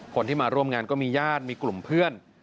คนที่มาร่วมงานก็มีญาติมีกลุ่มเพื่อน